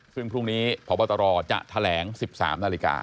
ซึ่งพรุ่งนี้พบตรจะแถลง๑๓นาฬิกา